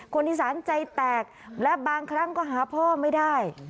คนอีสานใจแตกและบางครั้งก็หาพ่อไม่ได้